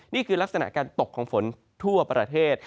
นี่คือลักษณะการตกของฝนทั่วประเทศ